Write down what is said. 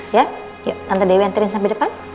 yuk tante dewi anterin sampe depan